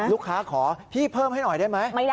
ขอพี่เพิ่มให้หน่อยได้ไหม